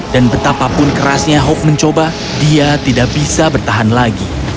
dan betapapun kerasnya hope mencoba dia tidak bisa bertahan lagi